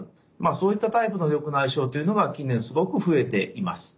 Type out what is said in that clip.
そういったタイプの緑内障というのが近年すごく増えています。